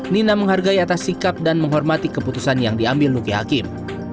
nina menghargai atas sikap dan menghormati keputusan yang diambil luki hakim